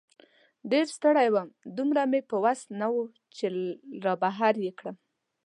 ډېر ستړی وم، دومره مې په وسه نه وه چې را بهر یې کړم.